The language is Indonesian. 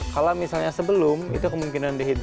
kalau misalnya sebelum itu kemungkinan dihitung